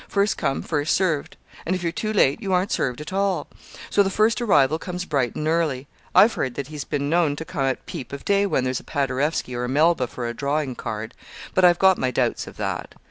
First come, first served; and if you're too late you aren't served at all. So the first arrival comes bright and early. I've heard that he has been known to come at peep of day when there's a Paderewski or a Melba for a drawing card. But I've got my doubts of that.